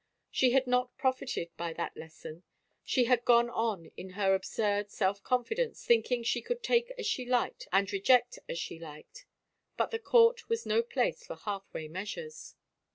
She had not profited by that lesson — she had gone on in her absurd self confidence, thinking she could take as she liked and reject as she liked — but the court was no place for halfway measures.